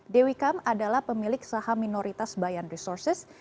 dewi kam adalah pemilik saham minoritas bayan resources